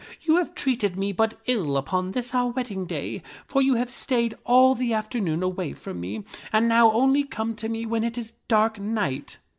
You have treated me but ill upon this our wedding day, for you have stayed all the afternoon away from me and now only come to me when it is dark night."